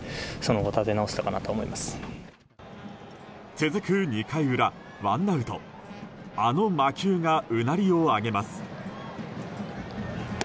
続く２回裏、ワンアウトあの魔球がうなりを上げます。